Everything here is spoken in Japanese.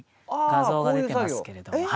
画像が出てますけれども。